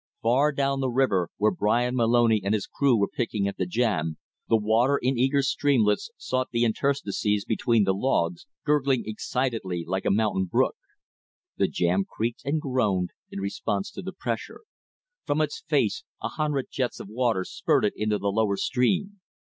Far down the river, where Bryan Moloney and his crew were picking at the jam, the water in eager streamlets sought the interstices between the logs, gurgling excitedly like a mountain brook. The jam creaked and groaned in response to the pressure. From its face a hundred jets of water spurted into the lower stream.